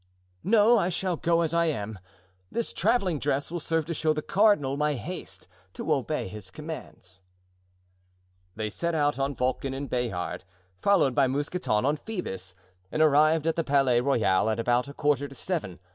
"No, I shall go as I am. This traveling dress will serve to show the cardinal my haste to obey his commands." They set out on Vulcan and Bayard, followed by Mousqueton on Phoebus, and arrived at the Palais Royal at about a quarter to seven.